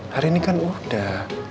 hari ini kan udah